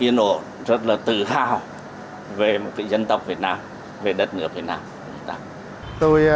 yên ổn rất là tự hào về một cái dân tộc việt nam về đất nước việt nam về người ta